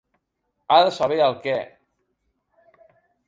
Ha de saber el què.